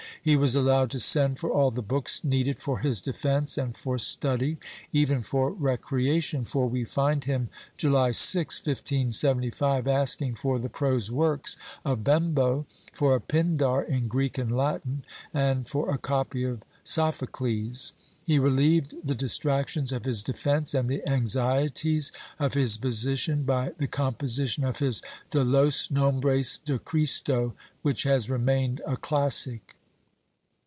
He was allowed to send for all the books needed for his defence and for study— even for recreation, for we find him, July 6, 1575, asking for the prose works of Bembo, for a Pindar in Greek and Latin and for a copy of Soph ocles.^ He relieved the distractions of his defence and the anxie ties of his position by the composition of his De los Nomhres de Christo, which has remained a classic.